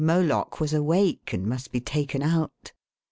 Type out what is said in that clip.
Moloch was •&. awake, and must ££k be taken out.